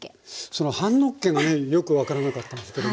その半のっけがねよく分からなかったんですけども。